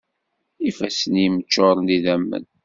Ifassen-im ččuṛen d idammen.